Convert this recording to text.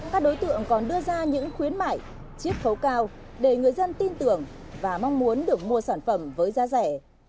các đối tượng còn đưa ra những khuyến mại chiết khấu cao để người dân tin tưởng và mong muốn được mua sản phẩm với giá rẻ